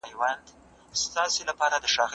د خېټې په اندازه خورئ.